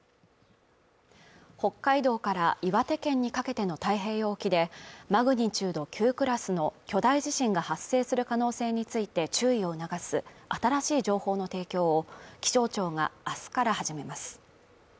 北海道から岩手県にかけての太平洋沖でマグニチュード９クラスの巨大地震が発生する可能性について注意を促す新しい情報の提供を気象庁が明日から始めます